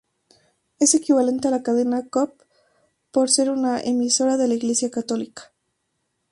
Es equivalente a la Cadena Cope por ser una emisora de la Iglesia católica.